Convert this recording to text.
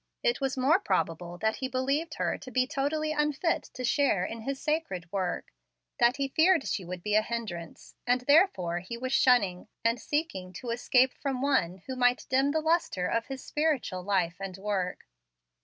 It was more probable that he believed her to be totally unfit to share in his sacred work, that he feared she would be a hindrance, and, therefore, he was shunning, and seeking to escape from one who might dim the lustre of his spiritual life and work.